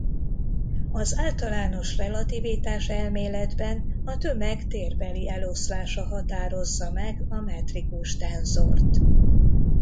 Az általános relativitáselméletben a tömeg térbeli eloszlása határozza meg a metrikus tenzort.